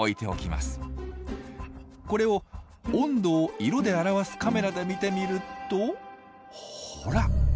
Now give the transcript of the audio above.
これを温度を色で表すカメラで見てみるとほら。